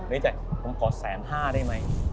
นึกใจผมขอแสนห้าได้ไหม